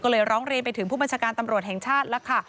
ก็เลยร้องเรียนไปถึงผู้บัญชาการตำรวจแห่งชาติแล้วค่ะ